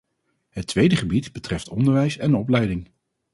Het tweede gebied betreft onderwijs en opleiding.